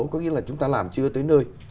có nghĩa là chúng ta làm chưa tới nơi